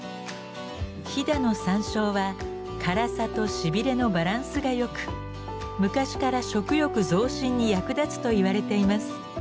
飛騨の山椒は辛さとしびれのバランスがよく昔から食欲増進に役立つといわれています。